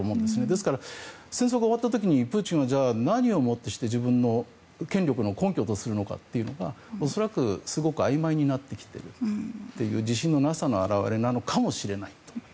ですから、戦争が終わった時にプーチンは何をもってして自分の権力の根拠とするのかが恐らくすごくあいまいになってきている自信のなさの表れなのかもしれませんね。